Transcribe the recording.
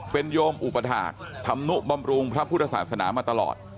เป็นโยมอุปถาคทำนุบำรุงพระพุทธศาสนามาตลอด